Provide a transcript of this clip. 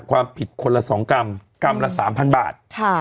ความผิดคนละสองกรรมกรรมละสามพันบาทค่ะ